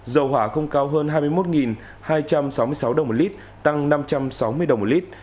dầu hỏa không cao hơn hai mươi một hai trăm sáu mươi sáu đồng một lít tăng năm trăm sáu mươi đồng một lít